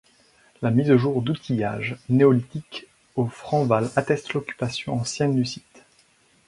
La mise au jour d'outillages néolithiques au Franc-Val atteste l'occupation ancienne du site.